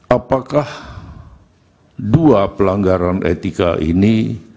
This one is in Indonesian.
apakah dua pelanggaran etika ini